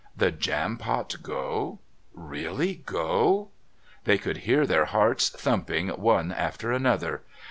The Jampot go? Really go?... They could hear their hearts thumping one after another.